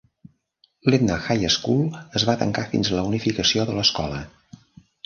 L'Edna High School es va tancar fins la unificació de l'escola.